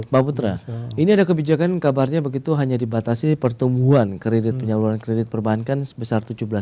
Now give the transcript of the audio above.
pak putra ini ada kebijakan kabarnya begitu hanya dibatasi pertumbuhan kredit penyaluran kredit perbankan sebesar tujuh belas